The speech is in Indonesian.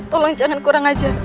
tolong jangan kurang ajar